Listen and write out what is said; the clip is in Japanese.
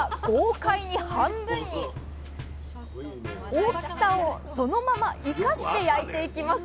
大きさをそのまま生かして焼いていきます。